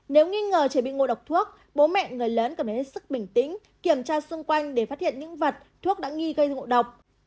nếu nghi ngờ trẻ bị ngộ độc thuốc bố mẹ người lớn cần hết sức bình tĩnh kiểm tra xung quanh để phát hiện những vặt thuốc đã nghi gây ngộ độc